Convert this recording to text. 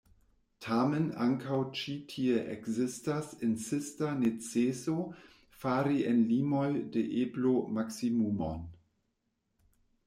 Tamen ankaŭ ĉi tie ekzistas insista neceso fari en limoj de eblo maksimumon.